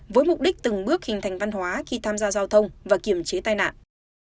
với mục đích từng bước hình thành văn hóa khi tham gia giao thông và kiểm chế tai nạn